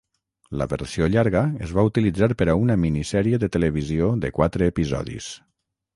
La versió llarga es va utilitzar per a una minisèrie de televisió de quatre episodis.